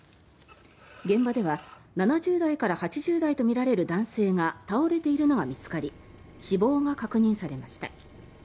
現場では７０代から８０代とみられる男性が倒れているのが見つかり死亡が確認されました。